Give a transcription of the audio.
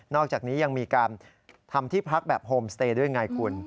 อกจากนี้ยังมีการทำที่พักแบบโฮมสเตย์ด้วยไงคุณ